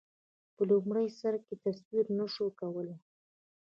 په لومړي سر کې تصور نه شو کولای.